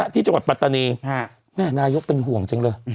ที่จังหวัดปัตตานีแม่นายกเป็นห่วงจังเลย